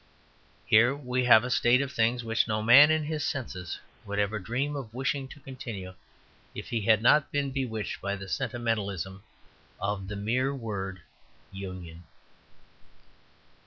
Here we have a state of things which no man in his senses would ever dream of wishing to continue if he had not been bewitched by the sentimentalism of the mere word "union."